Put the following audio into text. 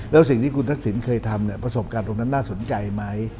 แล้วสิ่งที่คุณทักษิณเคยทำประสบการณ์ตรงนั้นน่าสนใจไหม